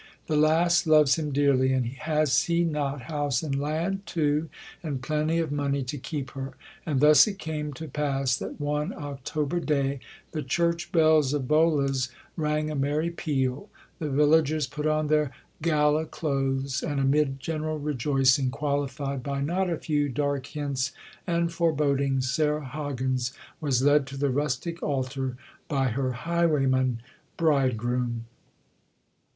The lass loves him dearly; and has he not house and land, too, and plenty of money to keep her?" And thus it came to pass that one October day the church bells of Bolas rang a merry peal; the villagers put on their gala clothes; and, amid general rejoicing, qualified by not a few dark hints and forebodings, Sarah Hoggins was led to the rustic altar by her "highwayman" bridegroom.